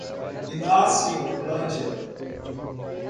Inaciolândia